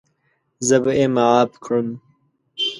زه به یې معاف کړم.